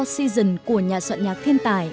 bốn season của nhà soạn nhạc thiên tài